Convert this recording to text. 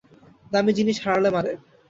দামি জিনিস হারালে মারে।